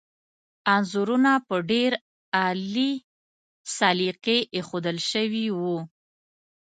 انځورونه په ډېر عالي سلیقې ایښودل شوي وو.